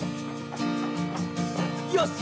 よし！